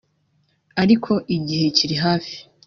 ariko igihe kiri hafi